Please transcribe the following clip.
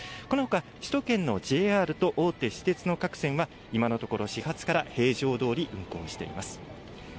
このほか、首都圏のＪＲと大手私鉄の各線は、今のところ、始発から平常どおり運行しています。